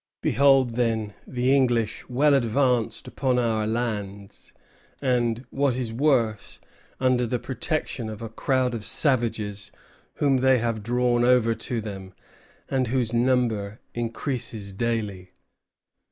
Behold, then, the English well advanced upon our lands, and, what is worse, under the protection of a crowd of savages whom they have drawn over to them, and whose number increases daily."